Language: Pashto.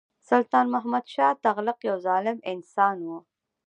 سلطان محمدشاه تغلق یو ظالم انسان وو.